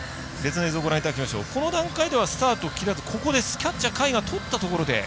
この段階ではスタート切らずキャッチャー甲斐がとったところで。